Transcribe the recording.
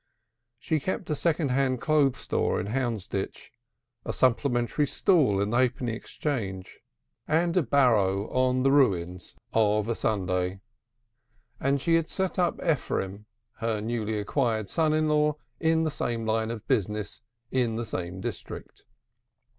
She kept a second hand clothes store in Houndsditch, a supplementary stall in the Halfpenny Exchange, and a barrow on the "Ruins" of a Sunday; and she had set up Ephraim, her newly acquired son in law, in the same line of business in the same district.